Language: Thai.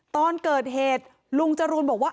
ตอนเกิดเหตุลุงจรูนบอกว่า